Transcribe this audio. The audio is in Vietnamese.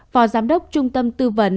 phó giám đốc trung tâm tư vấn